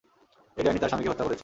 এই ডাইনি তার স্বামীকে হত্যা করেছে।